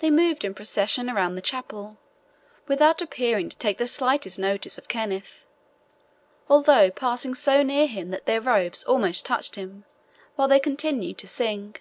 They moved in procession around the chapel, without appearing to take the slightest notice of Kenneth, although passing so near him that their robes almost touched him, while they continued to sing.